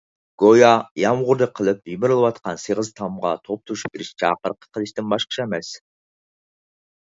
گويا يامغۇردا قېلىپ يېمىرىلىۋاتقان سېغىز تامغا توپا توشۇشۇپ بېرىش چاقىرىقى قىلىشتىن باشقا ئىش ئەمەس.